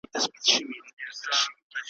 او دا خوب مي تر وروستۍ سلګۍ لیدلای `